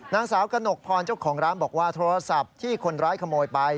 นางสาวกระหนกพรเจ้าของร้านบอกว่าโทรศัพท์ที่คนร้ายขโมยไป